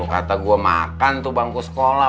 kata gue makan tuh bangku sekolah